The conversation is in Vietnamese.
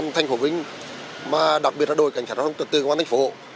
công an thành phố vĩnh mà đặc biệt là đội cảnh sát thông tư công an thành phố